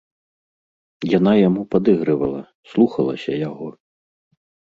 Яна яму падыгрывала, слухалася яго.